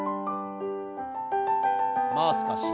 もう少し。